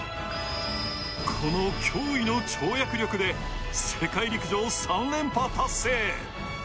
この驚異の跳躍力で世界陸上３連覇達成。